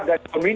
dan juga min